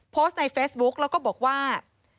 โพสต์ในเฟซบุ๊กแล้วก็บอกว่า